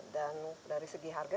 dan dari segi harga